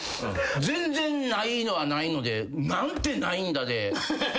全然ないのはないので何てないんだでいいから。